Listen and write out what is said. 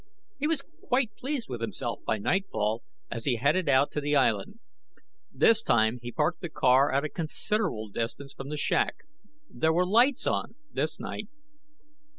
He was quite pleased with himself by nightfall, as he headed out to the Island. This time he parked the car at a considerable distance from the shack. There were lights on, this night.